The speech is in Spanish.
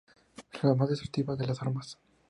La más destructiva de las armas.